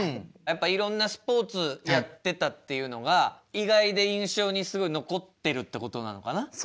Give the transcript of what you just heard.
やっぱいろんなスポーツやってたっていうのが意外で印象にすごい残ってるってことなのかな？